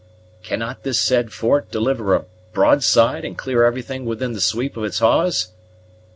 "Cannot this said fort deliver a broadside, and clear everything within the sweep of its hawse?"